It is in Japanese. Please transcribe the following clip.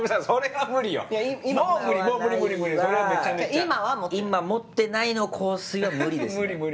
「今持ってないの香水」は無理ですよ。